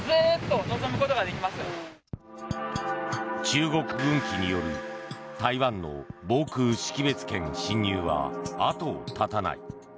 中国軍機による、台湾の防空識別圏侵入は後を絶たない。